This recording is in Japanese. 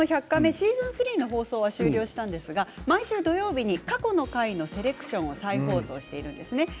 シーズン３の放送は終了したんですが毎週土曜日に過去６回のセレクションを再放送しているんですね。